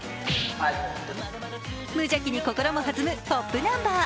無邪気に心も弾むポップナンバー。